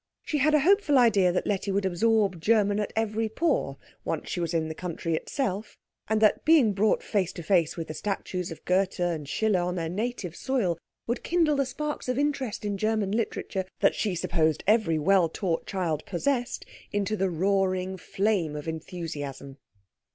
She had a hopeful idea that Letty would absorb German at every pore once she was in the country itself, and that being brought face to face with the statues of Goethe and Schiller on their native soil would kindle the sparks of interest in German literature that she supposed every well taught child possessed, into the roaring flame of enthusiasm.